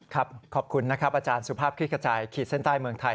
ขอบคุณนะครับอาจารย์สุภาพคลิกกระจายขีดเส้นใต้เมืองไทย